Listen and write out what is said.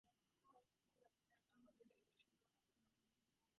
Lazlo's restaurants are located in Lincoln and Omaha.